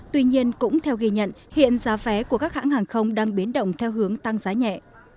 tuy nhiên cũng theo ghi nhận hiện giá vé của các hãng hàng không đang biến động theo hướng tăng giá nhẹ